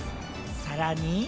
さらに。